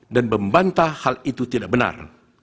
dan membantah hal itu tidak benar